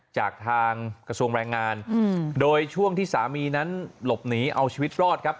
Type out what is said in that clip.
จากทางกระทรวงแรงงานโดยช่วงที่สามีนั้นหลบหนีเอาชีวิตรอดครับ